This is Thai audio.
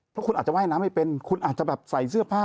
เพราะคุณอาจจะว่ายน้ำไม่เป็นคุณอาจจะแบบใส่เสื้อผ้า